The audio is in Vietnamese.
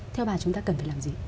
theo bà chúng ta cần phải làm gì